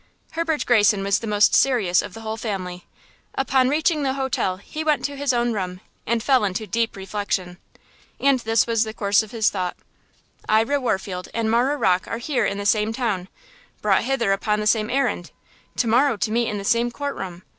Herbert Greyson was the most serious of the whole family. Upon reaching the hotel he went to his own room and fell into deep reflection. And this was the course of his thought: "Ira Warfield and Marah Rocke are here in the same town–brought hither upon the same errand–to morrow to meet in the same court room!